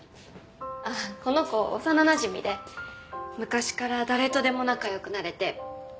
あっこの子幼なじみで昔から誰とでも仲良くなれて全人類友達で。